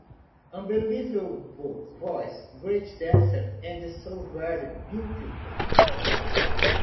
Unbelievable voice, great dancer and so very beautiful.